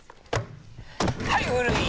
はい古い！